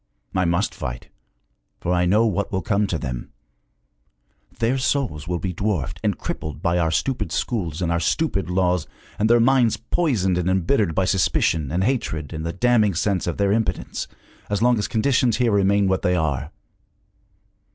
I must fight, for I know what will come to them! Their souls will be dwarfed and crippled by our stupid schools and our stupid laws, and their minds poisoned and embittered by suspicion and hatred and the damning sense of their impotence, as long as conditions here remain what they are!